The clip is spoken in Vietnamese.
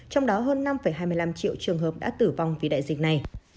trong đó hơn năm hai mươi năm triệu trường hợp đã tử vong vì đại dịch này